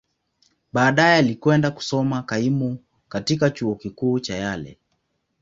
Baadaye, alikwenda kusoma kaimu katika Chuo Kikuu cha Yale.